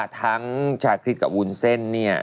ชาคริสกับวุ้นเส้นเนี่ย